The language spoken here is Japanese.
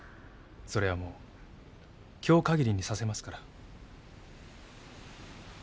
それはもう今日限りにさせますから。